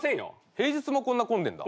平日もこんな混んでんだ。